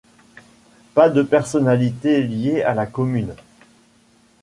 Pas de personnalité liée à la commune.